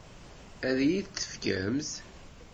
Ad iyi-t-tefkemt?